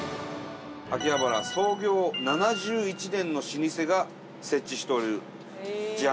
秋葉原創業７１年の老舗が設置している自販機です。